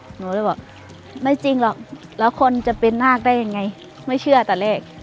หนูเลยบอกไม่จริงหรอกแล้วคนจะเป็นนาคได้ยังไงไม่เชื่อแต่แรก